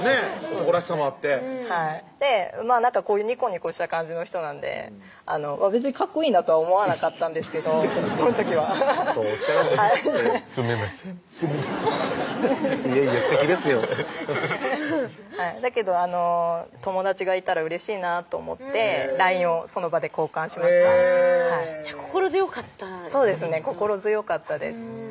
男らしさもあってこういうにこにこした感じの人なんで別にかっこいいなとは思わなかったんですけどその時はそうおっしゃらずにはいすみませんいえいえすてきですよだけど友達がいたらうれしいなと思ってＬＩＮＥをその場で交換しましたえぇ心強かったそうですね心強かったです